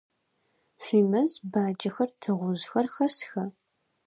Шъуимэз баджэхэр, тыгъужъхэр хэсха?